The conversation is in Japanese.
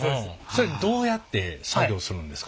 それどうやって作業するんですか？